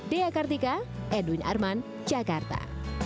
dea kartika edwin arman jakarta